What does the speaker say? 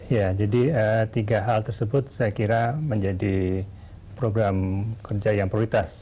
ya jadi tiga hal tersebut saya kira menjadi program kerja yang prioritas